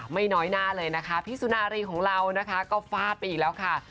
ไม่น้อยหน้าเลยนะคะพี่สุนารีของเรานะคะก็ฟาดไปอีกแล้วค่ะ